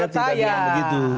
saya tidak bilang begitu